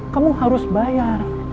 kamu harus bayar